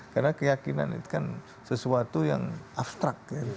karena keyakinan itu kan sesuatu yang abstrak